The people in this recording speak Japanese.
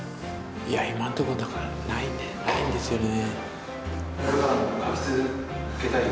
いや、今のところだからない、ないんですよね。